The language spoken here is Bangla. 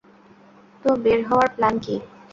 তো, বের হওয়ার প্ল্যান কী?